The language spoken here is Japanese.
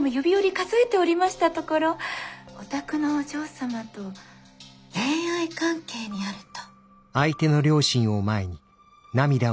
数えておりましたところお宅のお嬢様と恋愛関係にあると。